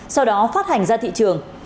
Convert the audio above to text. sau đó phát hành ra thị trường